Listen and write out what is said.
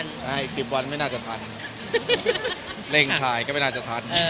ถ้าอีก๑๐วันเรียนภาพก็ไม่น่าจะทัน